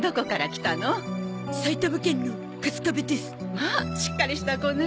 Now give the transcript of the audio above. まあしっかりした子ね。